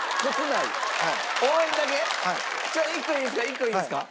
一個いいですか？